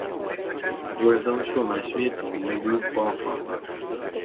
Больш за ўсё на свеце не люблю пафас.